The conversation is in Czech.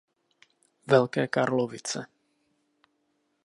Velké Karlovice.